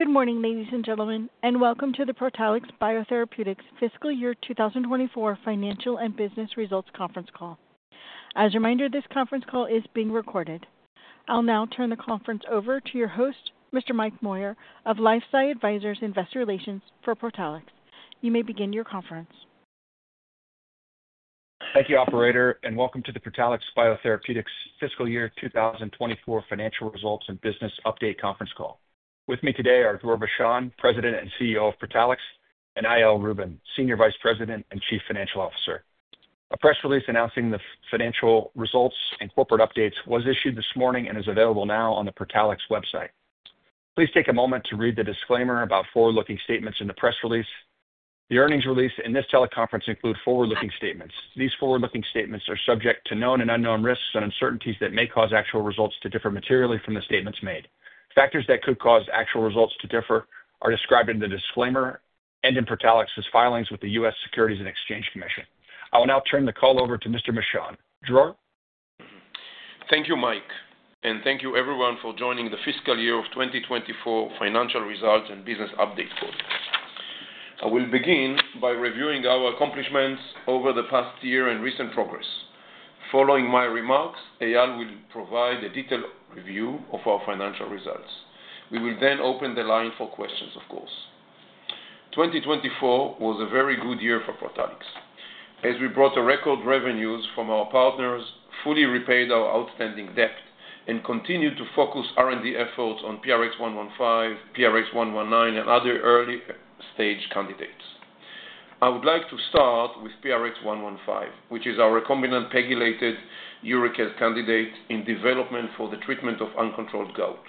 Good morning, ladies and gentlemen, and welcome to the Protalix BioTherapeutics Fiscal Year 2024 Financial and Business Results Conference Call. As a reminder, this conference call is being recorded. I'll now turn the conference over to your host, Mr. Mike Moyer, of LifeSci Advisors Investor Relations for Protalix. You may begin your conference. Thank you, Operator, and welcome to the Protalix BioTherapeutics Fiscal Year 2024 Financial Results and Business Update Conference Call. With me today are Dror Bashan, President and CEO of Protalix, and Eyal Rubin, Senior Vice President and Chief Financial Officer. A press release announcing the financial results and corporate updates was issued this morning and is available now on the Protalix website. Please take a moment to read the disclaimer about forward-looking statements in the press release. The earnings release and this teleconference include forward-looking statements. These forward-looking statements are subject to known and unknown risks and uncertainties that may cause actual results to differ materially from the statements made. Factors that could cause actual results to differ are described in the disclaimer and in Protalix's filings with the U.S. Securities and Exchange Commission. I will now turn the call over to Mr. Bashan. Dror? Thank you, Mike, and thank you, everyone, for joining the Fiscal Year 2024 Financial Results and Business Update Call. I will begin by reviewing our accomplishments over the past year and recent progress. Following my remarks, Eyal will provide a detailed review of our financial results. We will then open the line for questions, of course. 2024 was a very good year for Protalix. As we brought record revenues from our partners, fully repaid our outstanding debt, and continued to focus R&D efforts on PRX-115, PRX-119, and other early-stage candidates. I would like to start with PRX-115, which is our recombinant pegylated uricase candidate in development for the treatment of uncontrolled gout.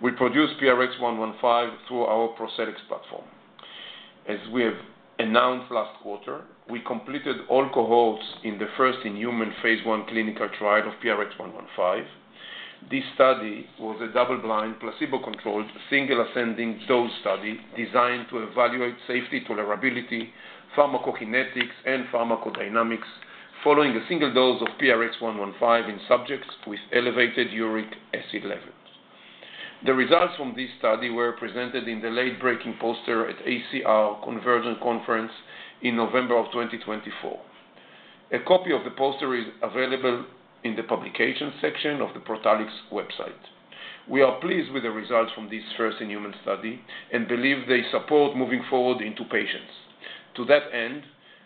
We produce PRX-115 through our ProCellEx platform. As we have announced last quarter, we completed all cohorts in the first in-human phase I clinical trial of PRX-115. This study was a double-blind, placebo-controlled, single-ascending dose study designed to evaluate safety, tolerability, pharmacokinetics, and pharmacodynamics following a single dose of PRX-115 in subjects with elevated uric acid levels. The results from this study were presented in the late-breaking poster at ACR Convergence Conference in November of 2024. A copy of the poster is available in the publications section of the Protalix website. We are pleased with the results from this first in-human study and believe they support moving forward into patients. To that end,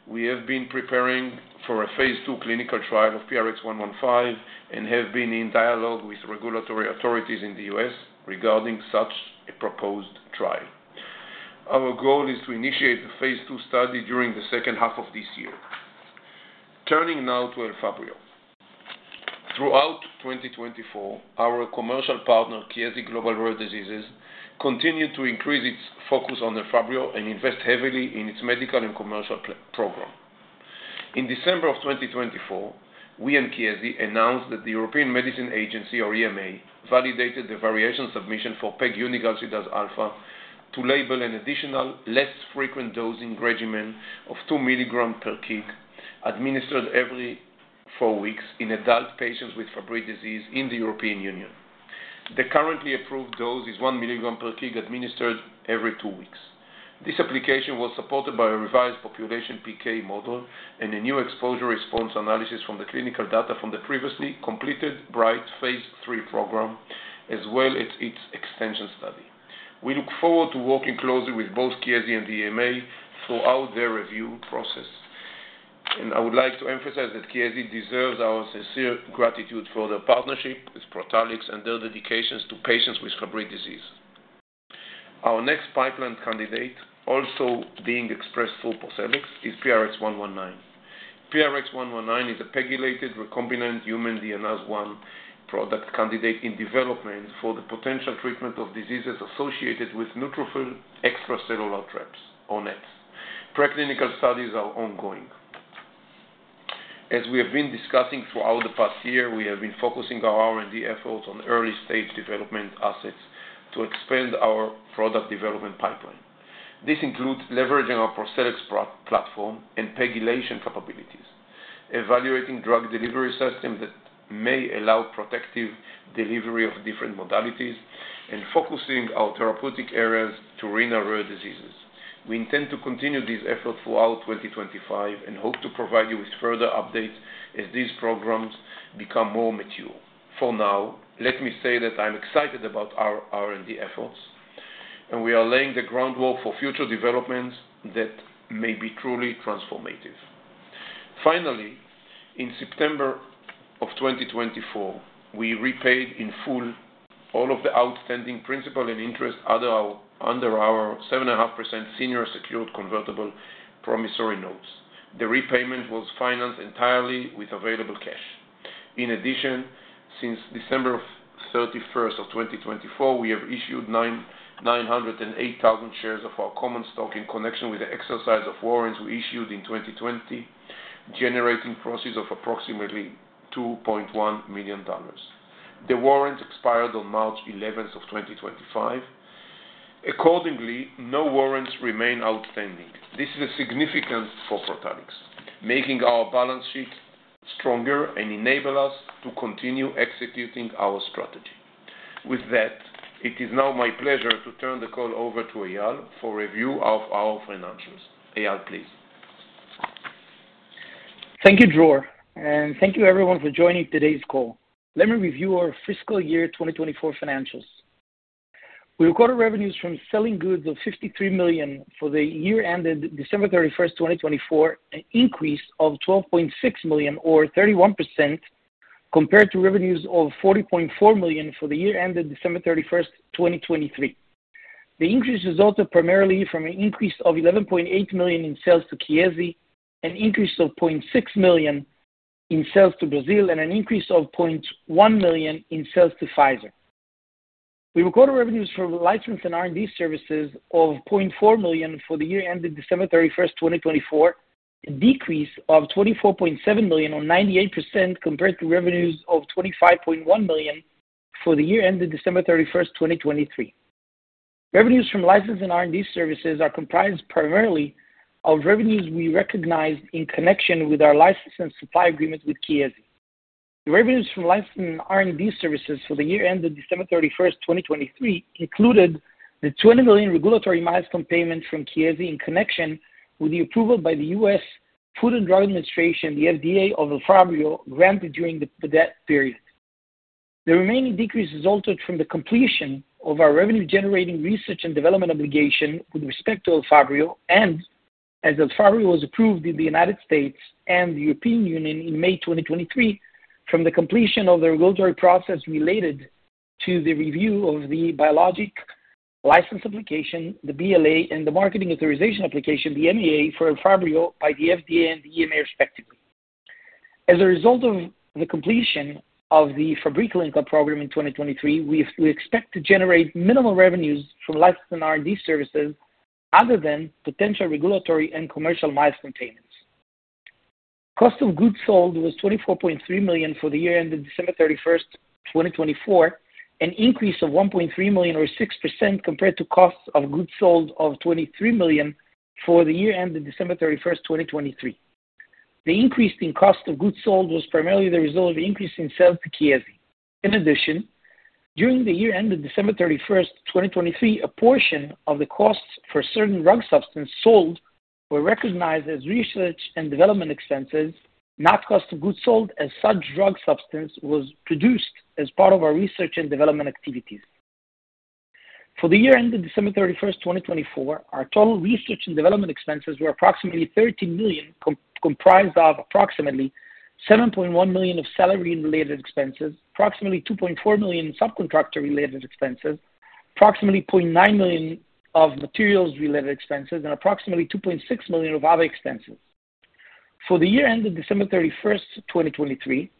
we have been preparing for a phase II clinical trial of PRX-115 and have been in dialogue with regulatory authorities in the U.S. regarding such a proposed trial. Our goal is to initiate the phase II study during the second half of this year. Turning now to Elfabrio. Throughout 2024, our commercial partner, Chiesi Global Rare Diseases, continued to increase its focus on Elfabrio and invest heavily in its medical and commercial program. In December of 2024, we and Chiesi announced that the European Medicines Agency, or EMA, validated the variation submission for pegunigalsidase alfa to label an additional, less frequent dosing regimen of 2 mg per kg, administered every four weeks in adult patients with Fabry disease in the European Union. The currently approved dose is 1 mg per kg, administered every two weeks. This application was supported by a revised population PK model and a new exposure response analysis from the clinical data from the previously completed BRIGHT phase III program, as well as its extension study. We look forward to working closely with both Chiesi and the EMA throughout their review process. I would like to emphasize that Chiesi deserves our sincere gratitude for their partnership with Protalix and their dedication to patients with Fabry disease. Our next pipeline candidate, also being expressed through ProCellEx, is PRX-119. PRX-119 is a pegylated recombinant human DNase I product candidate in development for the potential treatment of diseases associated with neutrophil extracellular traps, or NETs. Preclinical studies are ongoing. As we have been discussing throughout the past year, we have been focusing our R&D efforts on early-stage development assets to expand our product development pipeline. This includes leveraging our ProCellEx platform and pegylation capabilities, evaluating drug delivery systems that may allow protective delivery of different modalities, and focusing our therapeutic areas to renal rare diseases. We intend to continue these efforts throughout 2025 and hope to provide you with further updates as these programs become more mature. For now, let me say that I'm excited about our R&D efforts, and we are laying the groundwork for future developments that may be truly transformative. Finally, in September of 2024, we repaid in full all of the outstanding principal and interest under our 7.5% senior secured convertible promissory notes. The repayment was financed entirely with available cash. In addition, since December 31, 2024, we have issued 908,000 shares of our common stock in connection with the exercise of warrants we issued in 2020, generating proceeds of approximately $2.1 million. The warrants expired on March 11, 2025. Accordingly, no warrants remain outstanding. This is significant for Protalix, making our balance sheet stronger and enables us to continue executing our strategy. With that, it is now my pleasure to turn the call over to Eyal for review of our financials. Eyal, please. Thank you, Dror. Thank you, everyone, for joining today's call. Let me review our fiscal year 2024 financials. We recorded revenues from selling goods of $53 million for the year ended December 31, 2024, an increase of $12.6 million, or 31%, compared to revenues of $40.4 million for the year ended December 31, 2023. The increase resulted primarily from an increase of $11.8 million in sales to Chiesi, an increase of $0.6 million in sales to Brazil, and an increase of $0.1 million in sales to Pfizer. We recorded revenues from licensed and R&D services of $0.4 million for the year ended December 31, 2024, a decrease of $24.7 million, or 98%, compared to revenues of $25.1 million for the year ended December 31, 2023. Revenues from licensed and R&D services are comprised primarily of revenues we recognized in connection with our license and supply agreements with Chiesi. The revenues from licensed and R&D services for the year ended December 31, 2023, included the $20 million regulatory milestone payment from Chiesi in connection with the approval by the U.S. Food and Drug Administration, the FDA, of Elfabrio, granted during the debt period. The remaining decrease resulted from the completion of our revenue-generating research and development obligation with respect to Elfabrio and, as Elfabrio was approved in the United States and the European Union in May 2023, from the completion of the regulatory process related to the review of the biologic license application, the BLA, and the marketing authorization application, the MAA, for Elfabrio by the FDA and the EMA, respectively. As a result of the completion of the Fabry clinical program in 2023, we expect to generate minimal revenues from licensed and R&D services other than potential regulatory and commercial milestone payments. Cost of goods sold was $24.3 million for the year ended December 31, 2024, an increase of $1.3 million, or 6%, compared to cost of goods sold of $23 million for the year ended December 31, 2023. The increase in cost of goods sold was primarily the result of the increase in sales to Chiesi. In addition, during the year ended December 31, 2023, a portion of the costs for certain drug substance sold were recognized as research and development expenses, not cost of goods sold as such drug substance was produced as part of our research and development activities. For the year ended December 31, 2024, our total research and development expenses were approximately $30 million, comprised of approximately $7.1 million of salary-related expenses, approximately $2.4 million subcontractor-related expenses, approximately $0.9 million of materials-related expenses, and approximately $2.6 million of other expenses. For the year ended December 31, 2023,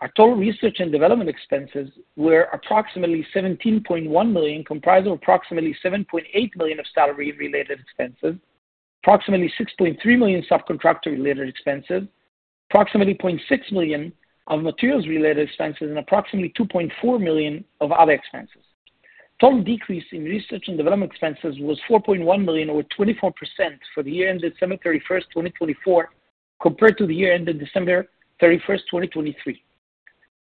our total research and development expenses were approximately $17.1 million, comprised of approximately $7.8 million of salary-related expenses, approximately $6.3 million subcontractor-related expenses, approximately $0.6 million of materials-related expenses, and approximately $2.4 million of other expenses. Total decrease in research and development expenses was $4.1 million, or 24%, for the year ended December 31, 2024, compared to the year ended December 31, 2023.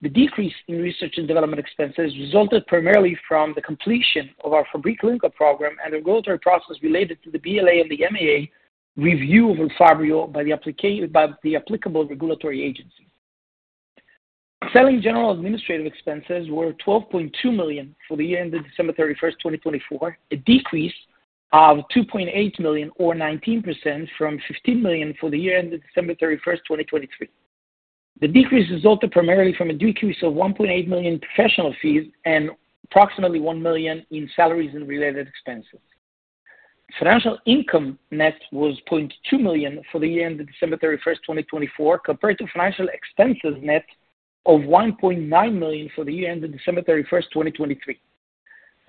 The decrease in research and development expenses resulted primarily from the completion of our Fabry clinical program and the regulatory process related to the BLA and the MAA review of Elfabrio by the applicable regulatory agency. Selling general administrative expenses were $12.2 million for the year ended December 31, 2024, a decrease of $2.8 million, or 19%, from $15 million for the year ended December 31, 2023. The decrease resulted primarily from a decrease of $1.8 million in professional fees and approximately $1 million in salaries and related expenses. Financial income net was $0.2 million for the year ended December 31, 2024, compared to financial expenses net of $1.9 million for the year ended December 31, 2023.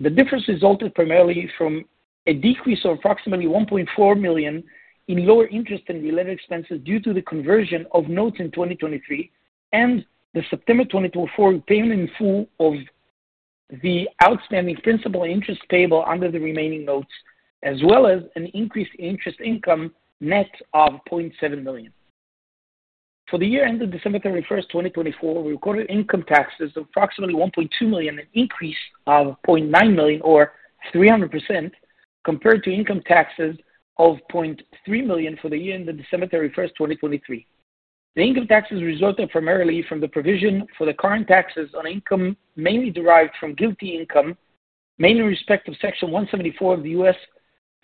The difference resulted primarily from a decrease of approximately $1.4 million in lower interest and related expenses due to the conversion of notes in 2023 and the September 2024 repayment in full of the outstanding principal and interest payable under the remaining notes, as well as an increase in interest income net of $0.7 million. For the year ended December 31, 2024, we recorded income taxes of approximately $1.2 million, an increase of $0.9 million, or 300%, compared to income taxes of $0.3 million for the year ended December 31, 2023. The income taxes resulted primarily from the provision for the current taxes on income mainly derived from GILTI income, mainly in respect of Section 174 of the U.S.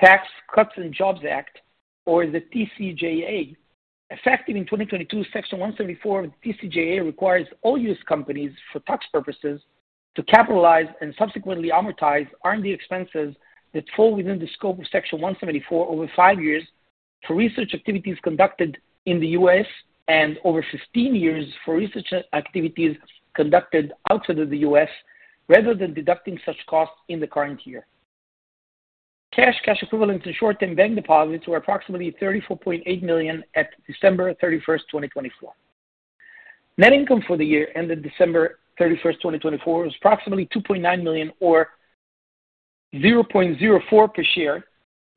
Tax Cuts and Jobs Act, or the TCJA. Effective in 2022, Section 174 of the TCJA requires all U.S. companies, for tax purposes, to capitalize and subsequently amortize R&D expenses that fall within the scope of Section 174 over five years for research activities conducted in the U.S. and over 15 years for research activities conducted outside of the U.S., rather than deducting such costs in the current year. Cash, cash equivalents, and short-term bank deposits were approximately $34.8 million at December 31, 2024. Net income for the year ended December 31, 2024, was approximately $2.9 million, or $0.04 per share,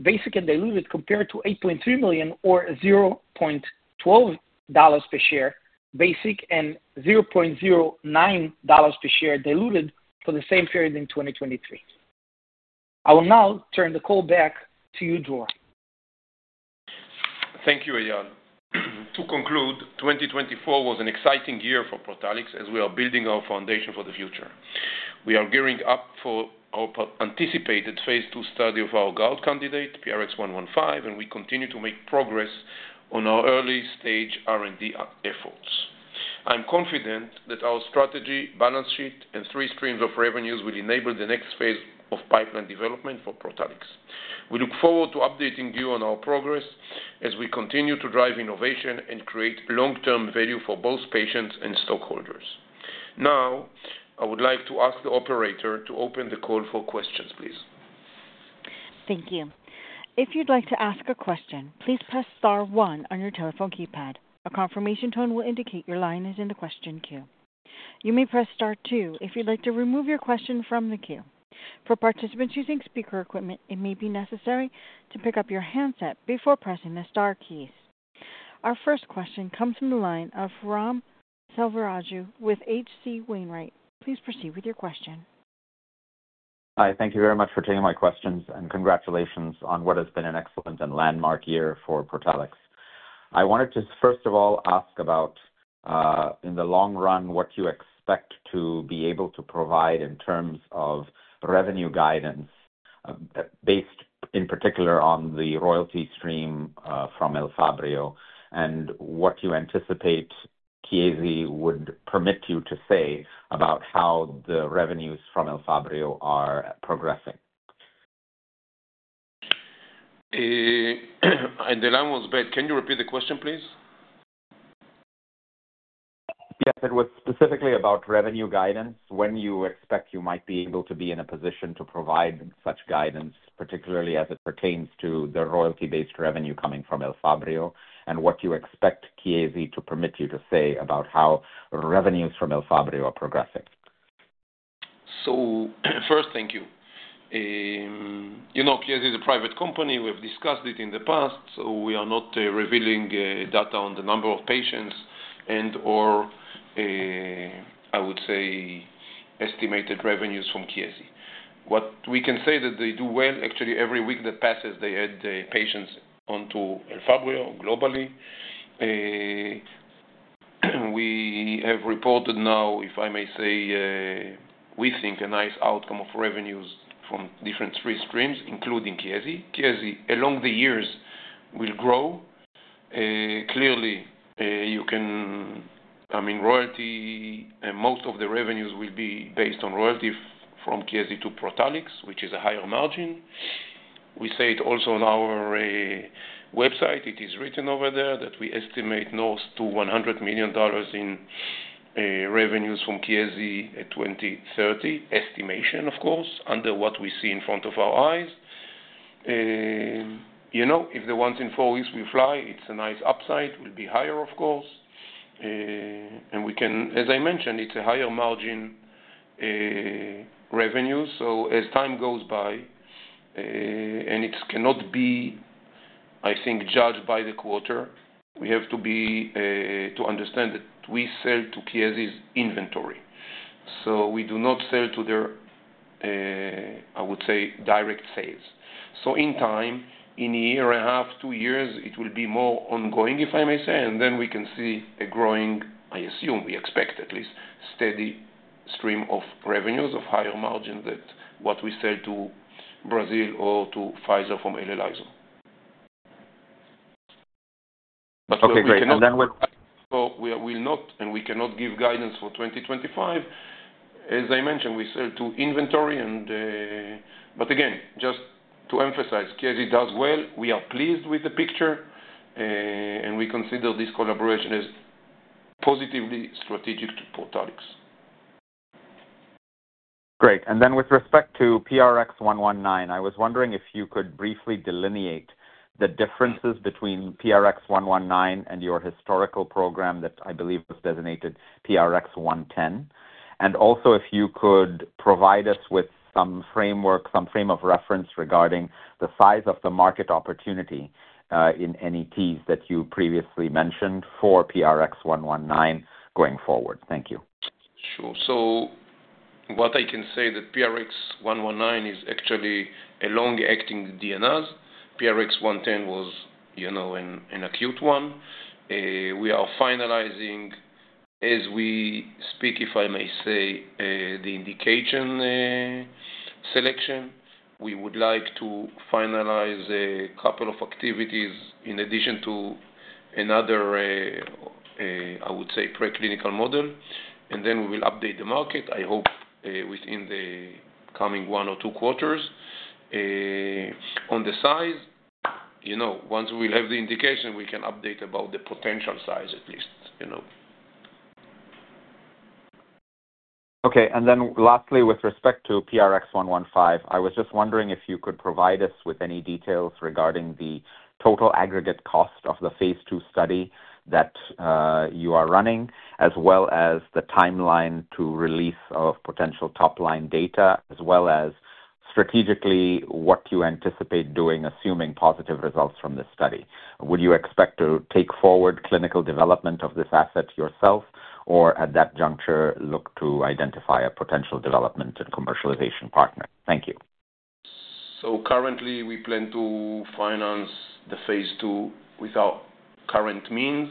basic and diluted, compared to $8.3 million, or $0.12 per share, basic and $0.09 per share, diluted for the same period in 2023. I will now turn the call back to you, Dror. Thank you, Eyal. To conclude, 2024 was an exciting year for Protalix as we are building our foundation for the future. We are gearing up for our anticipated phase II study of our gout candidate, PRX-115, and we continue to make progress on our early-stage R&D efforts. I'm confident that our strategy, balance sheet, and three streams of revenues will enable the next phase of pipeline development for Protalix. We look forward to updating you on our progress as we continue to drive innovation and create long-term value for both patients and stockholders. Now, I would like to ask the operator to open the call for questions, please. Thank you. If you'd like to ask a question, please press star one on your telephone keypad. A confirmation tone will indicate your line is in the question queue. You may press star two if you'd like to remove your question from the queue. For participants using speaker equipment, it may be necessary to pick up your handset before pressing the Star keys. Our first question comes from the line of Ram Selvaraju with H.C. Wainwright. Please proceed with your question. Hi. Thank you very much for taking my questions, and congratulations on what has been an excellent and landmark year for Protalix. I wanted to, first of all, ask about, in the long run, what you expect to be able to provide in terms of revenue guidance, based in particular on the royalty stream from Elfabrio, and what you anticipate Chiesi would permit you to say about how the revenues from Elfabrio are progressing. The line was back, can you repeat the question, please? Yes. It was specifically about revenue guidance, when you expect you might be able to be in a position to provide such guidance, particularly as it pertains to the royalty-based revenue coming from Elfabrio, and what you expect Chiesi to permit you to say about how revenues from Elfabrio are progressing. First, thank you. Chiesi is a private company. We have discussed it in the past, so we are not revealing data on the number of patients and/or, I would say, estimated revenues from Chiesi. What we can say is that they do well. Actually, every week that passes, they add patients onto Elfabrio globally. We have reported now, if I may say, we think a nice outcome of revenues from different three streams, including Chiesi. Chiesi, along the years, will grow. Clearly, you can, I mean, royalty, and most of the revenues will be based on royalty from Chiesi to Protalix, which is a higher margin. We say it also on our website. It is written over there that we estimate north to $100 million in revenues from Chiesi at 2030, estimation, of course, under what we see in front of our eyes. If the once in four weeks we fly, it's a nice upside. It will be higher, of course. We can, as I mentioned, it's a higher margin revenue. As time goes by, and it cannot be, I think, judged by the quarter. We have to understand that we sell to Chiesi's inventory. We do not sell to their, I would say, direct sales. In time, in a year and a half, two years, it will be more ongoing, if I may say, and then we can see a growing, I assume, we expect at least, steady stream of revenues of higher margin than what we sell to Brazil or to Pfizer from Elelyso. We will not, and we cannot give guidance for 2025. As I mentioned, we sell to inventory. Again, just to emphasize, Chiesi does well. We are pleased with the picture, and we consider this collaboration as positively strategic to Protalix. Great. With respect to PRX-119, I was wondering if you could briefly delineate the differences between PRX-119 and your historical program that I believe was designated PRX-110, and also if you could provide us with some framework, some frame of reference regarding the size of the market opportunity in NETs that you previously mentioned for PRX-119 going forward. Thank you. Sure. What I can say is that PRX-119 is actually a long-acting DNase. PRX-110 was an acute one. We are finalizing, as we speak, if I may say, the indication selection. We would like to finalize a couple of activities in addition to another, I would say, preclinical model, and then we will update the market, I hope, within the coming one or two quarters. On the size, once we have the indication, we can update about the potential size at least. Okay. Lastly, with respect to PRX-115, I was just wondering if you could provide us with any details regarding the total aggregate cost of the phase II study that you are running, as well as the timeline to release of potential top-line data, as well as strategically what you anticipate doing, assuming positive results from this study. Would you expect to take forward clinical development of this asset yourself, or at that juncture, look to identify a potential development and commercialization partner? Thank you. Currently, we plan to finance the phase II with our current means.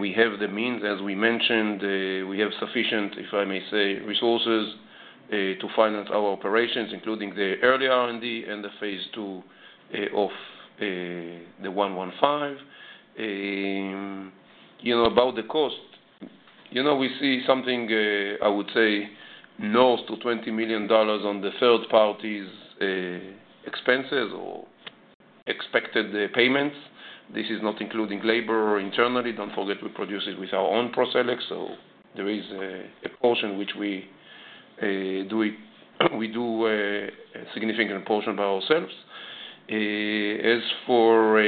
We have the means, as we mentioned. We have sufficient, if I may say, resources to finance our operations, including the early R&D and the phase II of the 115. About the cost, we see something, I would say, north to $20 million on the third party's expenses or expected payments. This is not including labor internally. Do not forget, we produce it with our own ProCellEx. There is a portion which we do, a significant portion by ourselves. As for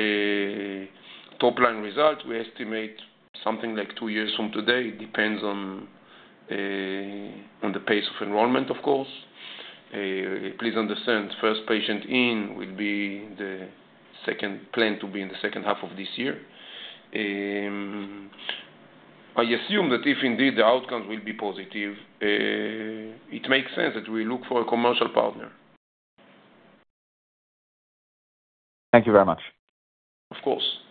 top-line results, we estimate something like two years from today. It depends on the pace of enrollment, of course. Please understand, first patient in will be the second planned to be in the second half of this year. I assume that if indeed the outcomes will be positive, it makes sense that we look for a commercial partner. Thank you very much. Of course. Thank you.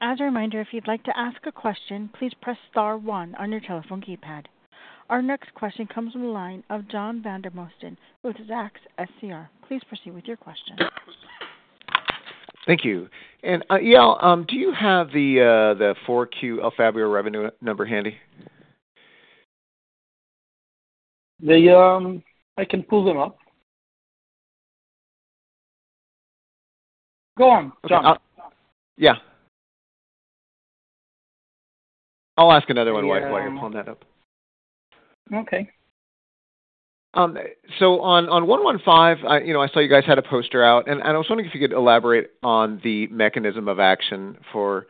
As a reminder, if you'd like to ask a question, please press star one on your telephone keypad. Our next question comes from the line of John Vandermosten with Zacks SCR. Please proceed with your question. Thank you. Eyal, do you have the fourth quarter Elfabrio revenue number handy? Yeah. I can pull them up. Go on, John. Yeah. I'll ask another one while you're pulling that up. Okay. On 115, I saw you guys had a poster out, and I was wondering if you could elaborate on the mechanism of action for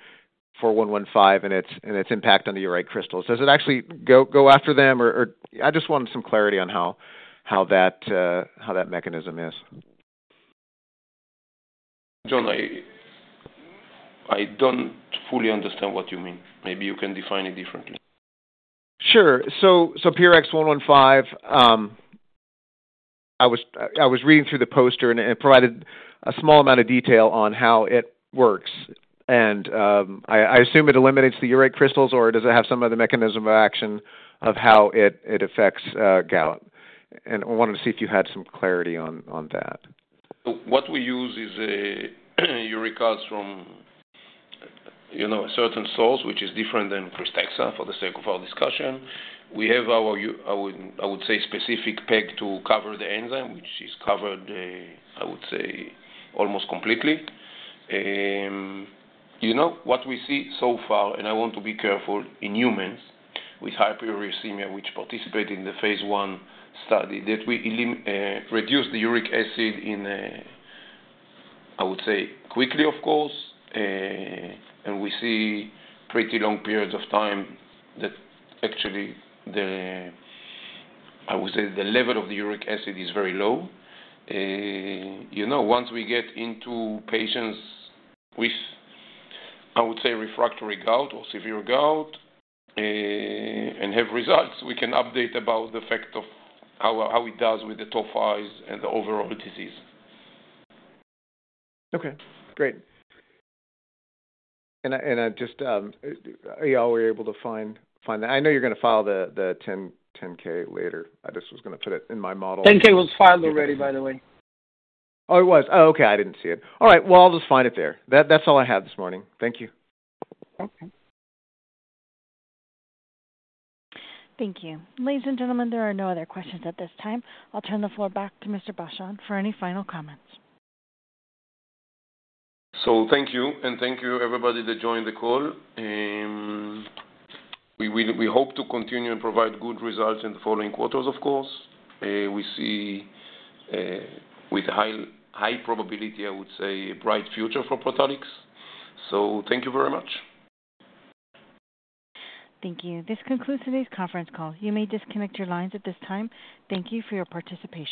115 and its impact on the uric crystals. Does it actually go after them, or? I just wanted some clarity on how that mechanism is. John, I don't fully understand what you mean. Maybe you can define it differently. Sure. PRX-115, I was reading through the poster, and it provided a small amount of detail on how it works. I assume it eliminates the urate crystals, or does it have some other mechanism of action of how it affects gout? I wanted to see if you had some clarity on that. What we use is uric acid from a certain source, which is different than KRYSTEXXA, for the sake of our discussion. We have our, I would say, specific peg to cover the enzyme, which is covered, I would say, almost completely. What we see so far, and I want to be careful, in humans with hyperuricemia, which participated in the phase I study, that we reduce the uric acid in, I would say, quickly, of course, and we see pretty long periods of time that actually the, I would say, the level of the uric acid is very low. Once we get into patients with, I would say, refractory gout or severe gout and have results, we can update about the effect of how it does with the tophi and the overall disease. Okay. Great. Eyal, were you able to find that? I know you're going to file the 10K later. I just was going to put it in my model. 10-K was filed already, by the way. Oh, it was? Oh, okay. I didn't see it. All right. I'll just find it there. That's all I have this morning. Thank you. Okay. Thank you. Ladies and gentlemen, there are no other questions at this time. I'll turn the floor back to Mr. Bashan for any final comments. Thank you, and thank you, everybody that joined the call. We hope to continue and provide good results in the following quarters, of course. We see, with high probability, I would say, a bright future for Protalix. Thank you very much. Thank you. This concludes today's conference call. You may disconnect your lines at this time. Thank you for your participation.